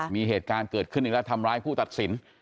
มีเหตุการณ์เกิดขึ้นอีกแล้วทำร้ายผู้ตัดสิน